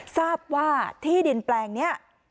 ทราบว่าที่ดินแปลงนี้